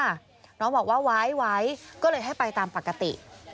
น้องบอกว่าไว้ก็เลยให้ไปตามปกติ